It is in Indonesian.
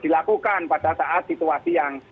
dilakukan pada saat situasi yang